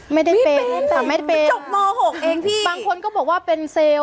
ไม่ได้เป็นแต่ไม่ได้เป็นจบม๖เองพี่บางคนก็บอกว่าเป็นเซลล์